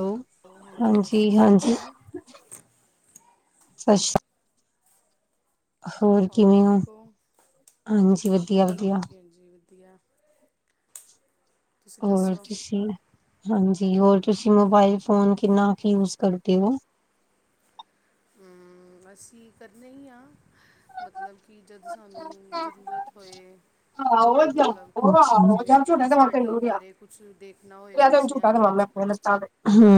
Hello. ਹਾਂਜੀ ਸਤਿ ਸ਼੍ਰੀ ਅਕਾਲ ਹਾਂਜੀ-ਹਾਂਜੀ ਜੀ ਸਤਿ ਸ਼੍ਰੀ ਹੋਰ ਕਿਵੇਂ ਹੋ ਹਾਂਜੀ ਵਧੀਆ ਵਧੀਆ ਹਾਂਜੀ [inaudible] ਹੋਰ ਦੱਸੋ ਤੁਸੀਂ ਹਾਂਜ ਜੀ ਹੋਰ ਤੁਸੀਂ ਮੋਬਾਇਲ ਫੋਨ ਕਿੰਨਾ ਕ ਯੂਸ ਕਰਦੇ ਓ ਹਮਮ ਅਸੀ ਕਰਨੇਈ ਆ ਮਤਲਬ ਕੀ ਜਦ ਸਾਨੂੰ ਜ਼ਰੂਰਤ ਹੋਏ ਮਤਲਬ ਜਿਵੇਂ ਕਦੀ ਸਟੱਡੀ ਬਾਰੇ ਕੁਛ ਦੇਖਣਾ ਹੋਏ ਬੱਚਿਆਂ ਦੀ ਜਾ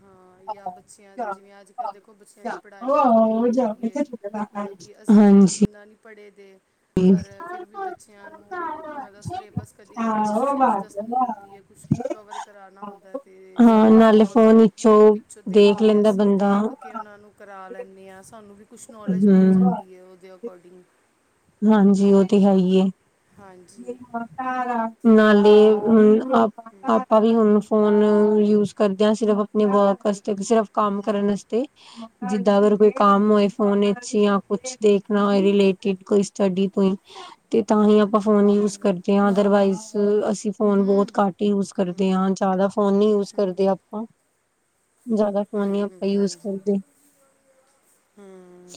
ਹਾਂ ਜਾਂ ਬੱਚਿਆਂ ਦੀ ਜਿਵੇਂ ਅੱਜ ਦੇਖੋ ਬੱਚਿਆਂ ਦੀ ਪੜ੍ਹਾਈ ਵੀ ਥੋੜ੍ਹੀ ਹੋਈ ਹੂੰ-ਹੂੰ। [unintelligible] ਹਾਂਜੀ ਇੰਨਾ ਨਹੀਂ ਪੜ੍ਹੇ ਦੇ ਪਰ ਫਿਰ ਵੀ ਬੱਚਿਆਂ ਨੂੰ ਉਹਨਾਂ ਦਾ ਸਿਲੇਬਸ ਕਦੀ ਕਦੀ ਕੁਛ ਚੀਜ਼ ਦੱਸਣੀ ਹੁੰਦੀ ਏ ਕੁਛ ਕਵਰ ਕਰਾਣਾ ਹੁੰਦਾ ਤੇ ਹਾਂ ਸਾਨੂੰ ਨਾਲੇ ਫੋਨ ਵਿੱਚੋਂ ਵਿੱਚੋ ਦੇਖ ਕੇ ਲੈਂਦਾ ਅਸੀਂ ਬੰਦਾ ਦੇਖ ਕਿ ਉਹਨਾਂ ਨੂੰ ਕਰਾ ਲੈਂਨੇ ਆ ਸਾਨੂੰ ਵੀ ਕੁਛ ਨੌਲੇਜ ਮਿਲ ਹੂੰ ਜਾਂਦੀ ਏ ਉਹਦੇ ਅਕੋਡਿੰਗ ਹਾਂਜੀ ਉਹ ਤੇ ਈ ਏ ਹਾਂਜੀ ਨਾਲੇ ਔਰ ਹੁਨ ਆ ਆਪਾ ਵੀ ਹੁਨ ਫੋਨ ਯੂਜ ਕਰਦਿਆਂ ਸਿਰਫ ਆਪਣੇ ਵਰਕ ਅਸਤੇ ਸਿਰਫ ਕੰਮ ਕਰਨ ਅਸਤੇ ਅਗਰ ਕੋਈ ਕੰਮ ਹੋਏ ਫੋਨ ਆ ਕੁਛ ਦੇਖਣਾ ਹੋਏ ਰੀਲੇਟਿਡ ਕੋਈ ਸਟੱਈ ਤੋਈ ਤੇ ਤਾਂ ਹੀ ਆਪਾਂ ਫੋਨ ਯੂਸ ਕਰਦੇ ਆ ਅਦਰਵਾਈਸ ਅਸੀ ਫੋਨ ਬਹੁਤ ਘੱਟ ਯੂਸ ਕਰਦੇ ਆ ਜਾਦਾ ਫੋਨ ਨੀ ਯੂਸ ਕਰਦੇ ਆਪਾਂ ਜ਼ਿਆਦਾ ਫੋਨ ਨੀ ਹਮ ਹਮ ਆਪਾਂ ਯੂਜ ਹਾਂਜੀ ਕਰਦੇ ਹਮ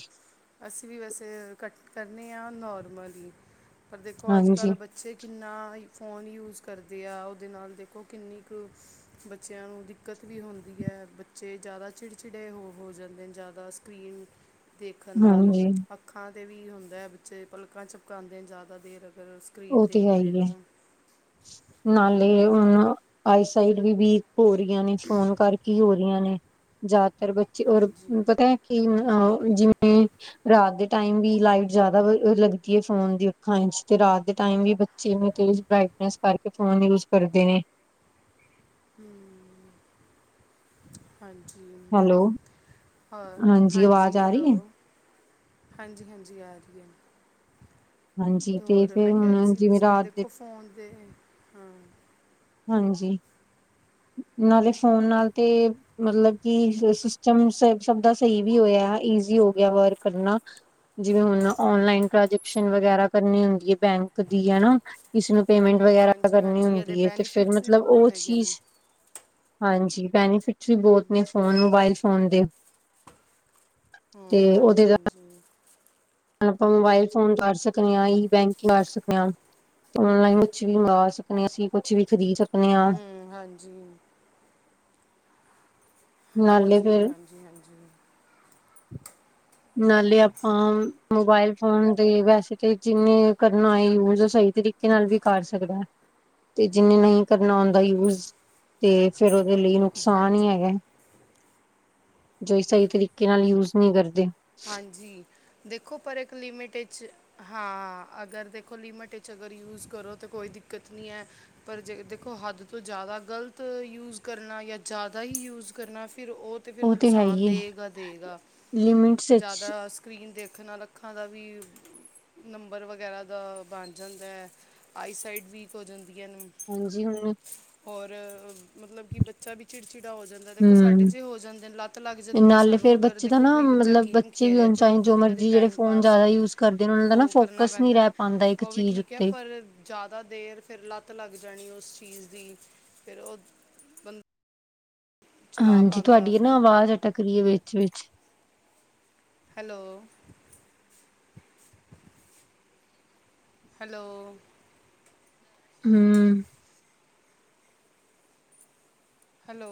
ਅਸੀਂ ਵੀ ਵੈਸੇ ਕਰਨੇ ਆ ਨੋਰਮਲੀ ਪਰ ਦੇਖੋ ਅਜ ਹਾਂਜੀ ਕੱਲ੍ਹ ਬੱਚੇ ਕਿੰਨਾ ਫ਼ੋਨ ਯੂਸ ਕਰਦੇ ਆ ਉਹਦੇ ਨਾਲ ਦੇਖੋ ਕਿੰਨੀ ਕੂ ਬੱਚਿਆ ਬੱਚੇ ਜ਼ਾਦਾ ਚਿੜਚਿੜੇ ਹੋ ਹੋ ਜਾਂਦੇ ਨੇ ਜ਼ਿਆਦਾ ਸਕਰੀਨ ਦੇਖਣ ਨਾਲ ਹਾਂਜੀ ਅੱਖਾਂ ਏ ਵੀ ਹੁੰਦਾ ਐ ਬੱਚੇ ਪਲਕਾਂ ਚਿਪਕਾਉਂਦੇ ਨੇ ਜ਼ਿਆਦਾ ਦੇਰ ਫਿਰ ਸਕਰੀਨ ਉਹ ਤੇ ਦੇਖ ਹੈ ਹੀ ਹੈ ਰੇਨੋ ਨਾਲੇ ਉਹਨੂੰ ਸਾਈਡ ਵੀ ਬੀ ਹੋਰੀਆਂ ਨੇ ਫੋਨ ਕਰਕੀ ਹੋਰ [unintelligible] ਨੇ ਜਾ ਪਰ ਬੱਚੇ ਓਰ ਹਾਂਜੀ ਪਤਾ ਐ ਕੀ ਜਿਵੇਂ ਰਾਤ ਦੇ ਟਾਈਮ ਵੀ ਲਾਈਟ ਜ਼ਿਆਦਾ ਲੱਗਦੀ ਹੈ ਫੋਨ ਦੀ ਅੱਖਾਂ ਇੰਚ ਤੇ ਰਾਤ ਦੇ ਟਾਈਮ ਵੀ ਬੱਚੇ ਨੂੰ ਤੇਰੀ ਬਾਈ ਇਸ ਕਰਕੇ ਫ਼ੋਨ ਯੂਜ ਕਰਦੇ ਨੇ। ਹੂੰ ਹਾਂਜੀ ਹੈਲੋ ਹੋਰ ਆਵਾਜ਼ ਹਾਂਜੀ ਆ ਹੈਲੋ ਰਹੀ ਹੈ ਹਾਂਜੀ, ਹਾਂਜੀ ਆ ਰਹੀ ਹੈ। ਹਾਂਜੀ ਤੇ ਹੋਰ ਫਿਰ ਮੈਂ ਕਹਿ ਰਹੀ ਹੁਣ ਸੀ ਵੀ ਜਿਵੇਂ ਰਾਤ ਦੇ ਦੇਖੋ ਫੋਨ ਦੇ ਹਾਂ। ਹਾਂਜੀ ਨਾਲੇ ਫੋਨ ਨਾਲ ਤੇ ਮਤਲਬ ਕਿ ਸਿਸਟਮ ਸ ਸਭ ਦਾ ਸਹੀ ਵੀ ਹੋਇਆ ਈਜ਼ੀ ਹੋ ਗਿਆ ਵਰਕ ਕਰਨਾ ਜਿਵੇਂ ਹੁਣ ਓਨਲਾਈਨ ਟ੍ਰਾਂਜੈਕਸ਼ਨ ਵਗੈਰਾ ਕਰਨੀ ਹੁੰਦੀ ਹੈ ਬੈਂਕ ਦੀ ਹੈ। ਇਸਨੂੰ ਪੇਮੈਂਟ ਵਗੈਰਾ ਹਾਂਜੀ ਕਰਨੀ ਹਾਂਜੀ ਇਹਦੇ ਹੁੰਦੀ ਹੈ। ਤੇ ਫਿਰ ਬੈਨੀਫਿਟਸ ਵੀ ਮਤਲਬ ਉਹ ਬਹੁਤ ਹੈਗੇ ਚੀਜ਼ ਨੇ ਹਾਂਜੀ। ਬੈਨੀ ਫਿੱਟ ਵੀ ਹੂੰ ਬਹੁਤ ਨੇ ਫੋਨ ਮੋਬਾਇਲ ਫੋਨ ਦੇ। ਤੇ ਹੂੰ ਉਹਦੇ ਹਾਂਜੀ, ਨਾਲ ਹਾਂਜੀ। ਆਪਾਂ ਮੋਬਾਇਲ ਫੋਨ ਕਰ ਸਕਦੇ ਹਾਂ ਇ ਬੈਂਕ ਕਰ ਸਕਦੇ ਹਾਂ ਔਨਲਾਈਨ ਕੁਛ ਵੀ ਮੰਵਾ ਸਕਦੇ ਆ ਅਸੀਂ ਕੁਛ ਵੀ ਖਰੀਦ ਸਕਦੇ ਹਾਂ ਹੂੰ। ਹਾਂਜੀ। ਨਾਲੇ ਹਾਂਜੀ, ਫਿਰ ਹਾਂਜੀ, ਹਾਂਜੀ। ਨਾਲੇ ਆਪਾਂ ਮੋਬਾਇਲ ਫੋਨ ਤੇ ਵੈਸੇ ਤੇ ਜਿੰਨੇ ਕਰਨਾ ਯੂਜ ਉਹ ਸਹੀ ਤਰੀਕੇ ਨਾਲ ਵੀ ਕਰ ਸਕਦਾ ਤੇ ਜਿੰਨੇ ਨਹੀਂ ਕਰਨਾ ਆੁੰਂਦਾ ਯੂਜ ਤੇ ਫਿਰ ਉਹਦੇ ਲਈ ਨੁਕਸਾਨ ਹੀ ਹਾਂਜੀ ਹੈਗਾ। ਜੋ ਸਹੀ ਤਰੀਕੇ ਨਾਲ ਯੂਜ ਨਹੀਂ ਕਰਦੇ। ਹਾਂਜੀ। ਦੇਖੋ ਪਰ ਇੱਕ ਲਿਮਿਟ ਹਾਂ ਅਗਰ ਦੇਖੋ ਲਿਮਟ ਵਿੱਚ ਅਗ ਯੂਜ ਕਰੋ ਤਾਂ ਕੋਈ ਦਿੱਕਤ ਨਹੀਂ ਹੈ ਪਰ ਜੇ ਦੇਖੋ ਹੱਦ ਤੋਂ ਜ਼ਿਆਦਾ ਗਲਤ ਯੂਜ ਕਰਨਾ ਜਾਂ ਜ਼ਿਆਦਾ ਹੀ ਯੂਜ ਕਰਨਾ। ਫਿਰ ਉਹ ਤੇ ਫੇਰ ਨੁਕਸਾਨ ਦੇਗਾ, ਦੇਗਾ। ਲਿਮਿਟਸ ਵਿੱਚ ਦਾ ਸਕਰੀਨ ਦੇਖਣ ਅੱਖਾਂ ਦਾ ਵੀ ਨੰਬਰ ਵਗੈਰਾ ਦਾ ਬਣ ਜਾਂਦਾ ਹੈ ਆਈਸਾਈਡ ਵੀਕ ਹੋ ਜਾਂਦਾ। ਹਾਂਜੀ ਹੁਣ ਔਰ ਮਤਲਬ ਕਿ ਬੱਚਾ ਵੀ ਚਿੜਚਿੜਾ ਹੋ ਜਾਂਦਾ ਦੇਖੋ ਹਮ ਸਾਡੇ ਹੋ ਜਾਂਦੇ ਨੇ ਲੱਤ ਲੱਗ ਜਾਂਦੀ ਹੈ। ਨਾਲੇ ਸਾਨੂੰ ਫੇਰ ਅਗਰ ਬੱਚੇ ਦਾ ਦੇਖੋ ਨਾ ਕੋਈ ਬੱਚਾ ਮਤਲਬ ਗੇਮ ਬੱਚੇ ਵੀ ਖੇਲਿਆ ਹੋਣ ਚਾਹੇ ਚਲੋ ਜੋ ਕਦੀ ਕਦੀ ਮਰਜੀ ਜਿਹੜੇ ਟਾਈਮ ਫੋਨ ਪਾਸ ਜ਼ਿਆਦਾ ਵੀ ਯੂਜ ਕਰਦੇ ਨੇ ਉਹਨਾਂ ਦਾ ਹੋ ਨਾ ਕਰਨਾ ਫੋਕਸ ਨਹੀਂ ਪੈਂਦਾ ਰਹਿ ਪਾਉਂਦਾ ਇੱਕ ਉਹ ਵੀ ਚੀਜ਼ ਠੀਕ ਹੈ ਉੱਤੇ ਪਰ ਜ਼ਿਆਦਾ ਦੇਰ ਫਿਰ ਲੱਤ ਲੱਗ ਜਾਣੀ ਉਸ ਚੀਜ਼ ਦੀ ਫਿਰ ਉਹ ਬੰਦਾ ਹਾਂਜੀ। ਤੁਹਾਡੀ ਆ ਨਾ ਆਵਾਜ਼ ਅਟਕ ਰਹੀ ਹੈ ਵਿੱਚ ਵਿੱਚ ਹੈਲੋ। ਹੈਲੋ, ਹੂੰ, ਹੈਲੋ,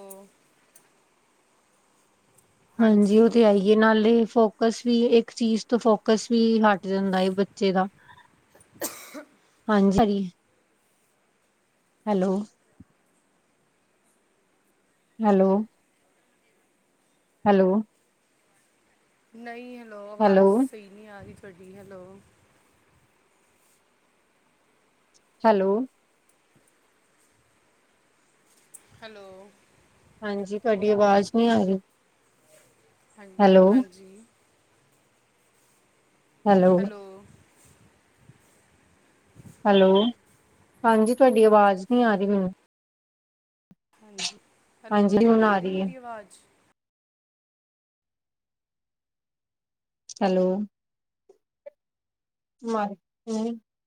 ਹਾਂਜੀ ਉਹ ਤੇ ਆਈਏ ਨਾਲੇ, ਫੋਕਸ ਵੀ ਇੱਕ ਚੀਜ਼ ਤੋਂ ਫੋਕਸ ਵੀ ਹਟ ਜਾਂਦਾ ਹੈ ਬੱਚੇ ਦਾ [unintelligible] ਹਾਂਜੀ ਸ ਹੈਲੋ, ਹੈਲੋ, ਹੈਲੋ, ਨਹੀਂ, ਲੋ ਆਵਾਜ਼ ਹੈਲੋ ਸਹੀ ਨੀ ਆ ਰਹੀ, ਵਡੀ ਹੈਲੋ, ਹੈਲੋ, ਹੈਲੋ, ਹਾਂਜੀ ਤੁਹਾਡੀ ਅਵਾਜ਼ ਨੀ ਆਦੀ, ਹਾਂਜੀ-ਹਾਂਜੀ, ਹੈਲੋ, ਹੈਲੋ, ਹਾਂਜੀ ਤੁਹਾਡੀ ਅਵਾਜ਼ ਨੀ ਆ ਰਹੀ ਮੈਨੂੰ ਹਾਂਜੀ, ਹੈਲੋ ਹਾਂਜੀ ਹੁਣ ਤੁਹਾਨੂੰ ਆ ਰਹੀ ਹੈ ਮੇਰੀ ਆਵਾਜ਼ ਹੈਲੋ,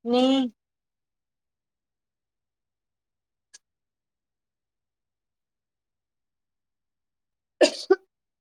ਨਹੀਂ। [unintelligible]